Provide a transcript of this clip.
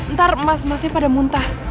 ntar emas masih pada muntah